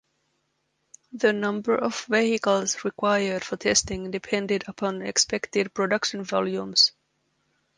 The number of vehicles required for testing depended upon expected production volumes.